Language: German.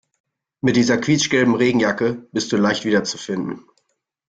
Mit dieser quietschgelben Regenjacke bist du leicht wiederzufinden.